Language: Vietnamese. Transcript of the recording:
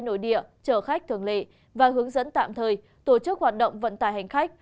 nội địa chở khách thường lệ và hướng dẫn tạm thời tổ chức hoạt động vận tải hành khách